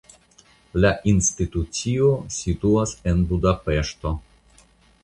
La institucio situas en Budapeŝto.